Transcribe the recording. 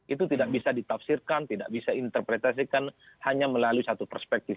itu tidak bisa ditafsirkan tidak bisa interpretasikan hanya melalui satu perspektif